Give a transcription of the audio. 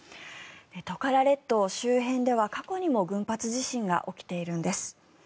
トカラ列島周辺では過去にも群発地震が起きているんです。